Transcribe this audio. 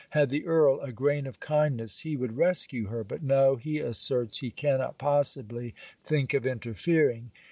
Had the Earl a grain of kindness, he would rescue her; but no; he asserts he cannot possibly think of interfering.